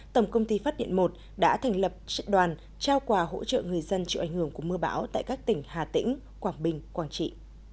tổng công ty phát điện i đã thành lập đoàn trao quà hỗ trợ người dân chịu ảnh hưởng của mưa bão tại các tỉnh hà tĩnh quảng bình quảng trị